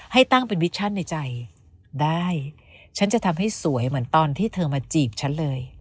ให้ตั้งเป็นวิชชั่นในใจได้ฉันจะทำให้สวยเหมือนตอนที่เธอมาจีบฉันเลย